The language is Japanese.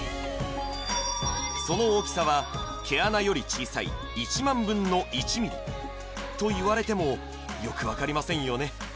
その大きさは毛穴より小さい１万分の１ミリと言われてもよく分かりませんよね